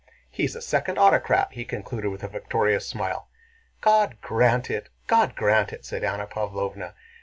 He is a second autocrat," he concluded with a victorious smile. "God grant it! God grant it!" said Anna Pávlovna.